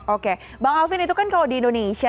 oke bang alvin itu kan kalau di indonesia